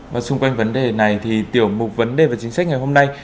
và xung quanh vấn đề này thì tiểu mục vấn đề và chính sách ngày hôm nay